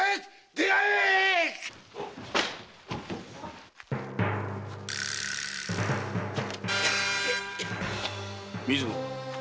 出会えーっ‼水野。